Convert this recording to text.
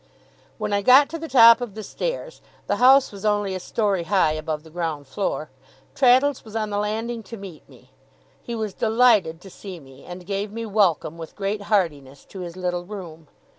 When I got to the top of the stairs the house was only a story high above the ground floor Traddles was on the landing to meet me. He was delighted to see me, and gave me welcome, with great heartiness, to his little room.